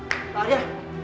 kak pak arya